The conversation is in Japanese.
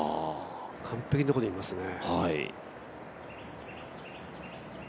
完璧のとこにいますね。